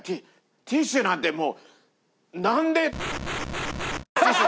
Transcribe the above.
ティッシュなんてもう。